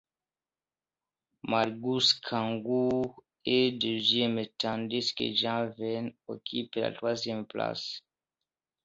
Margus Kangur est deuxième tandis que Jaan Vene occupe la troisième place.